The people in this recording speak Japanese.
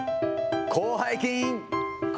広背筋。